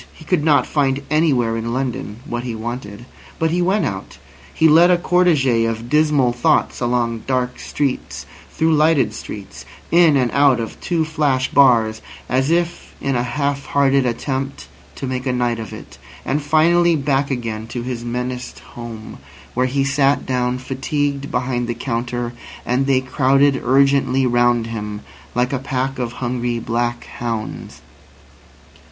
He could not find anywhere in London what he wanted. But he went out. He led a cortege of dismal thoughts along dark streets, through lighted streets, in and out of two flash bars, as if in a half hearted attempt to make a night of it, and finally back again to his menaced home, where he sat down fatigued behind the counter, and they crowded urgently round him, like a pack of hungry black hounds.